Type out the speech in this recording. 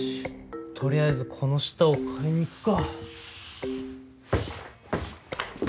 とりあえずこの下を買いに行くか。